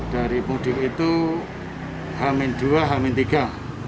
dari pemudik itu hamil dua hamil tiga